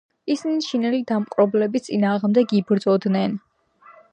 ისინი ჩინელი დამპყრობლების წინააღმდეგ იბრძოდნენ.